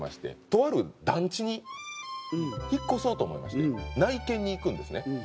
とある団地に引っ越そうと思いまして内見に行くんですね。